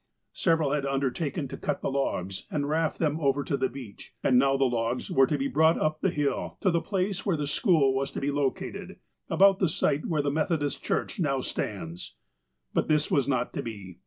Several had undertaken to cut the logs and raft them over to the beach, and now the logs were to be brought up the hill, to the place where the school was to be lo cated, about the site where the Methodist Church now stands. But this was not to be.